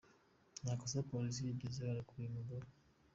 Nta kosa polisi yigeze ibara kuri uyu mugabo.